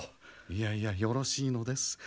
いやいやよろしいのです。